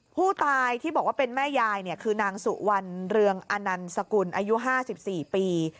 ผู้ตายที่บอกว่าเป็นแม่ยายคือนางสุวรรณเรืองอนันสกุลอายุ๕๔ปี